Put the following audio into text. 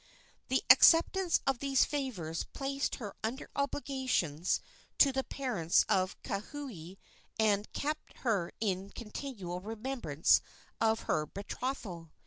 The acceptance of these favors placed her under obligations to the parents of Kauhi and kept her in continual remembrance of her betrothal.